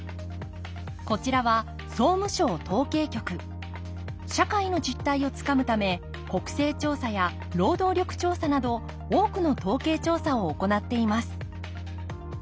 こちらは社会の実態をつかむため国勢調査や労働力調査など多くの統計調査を行っています